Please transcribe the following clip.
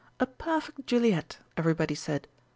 A perfect Juliet, everybody said.